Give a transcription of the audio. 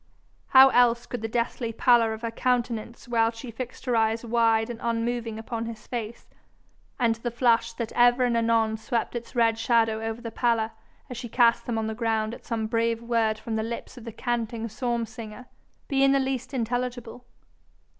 How else could the deathly pallor of her countenance while she fixed her eyes wide and unmoving upon his face, and the flush that ever and anon swept its red shadow over the pallor as she cast them on the ground at some brave word from the lips of the canting psalm singer, be in the least intelligible?